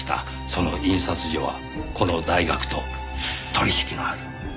その印刷所はこの大学と取引のある印刷所でした。